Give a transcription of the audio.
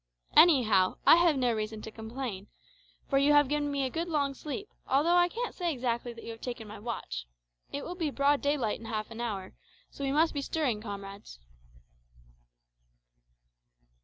Anyhow, I have no reason to complain; for you have given me a good long sleep, although I can't say exactly that you have taken my watch. It will be broad daylight in half an hour, so we must be stirring, comrades."